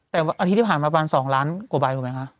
แต่อาทิตย์ที่ผ่านประมาณ๒ล้านกว่าใบหรือเปล่าคะ